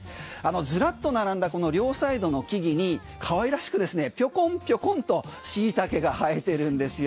ずらっと並んだこの両サイドの木々に可愛らしくですねぴょこんぴょこんとシイタケが生えてるんですよ。